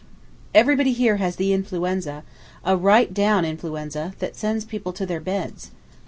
... Everybody here has the Influenza—a right down influenza, that sends people to their beds.